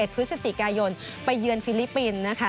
พฤศจิกายนไปเยือนฟิลิปปินส์นะคะ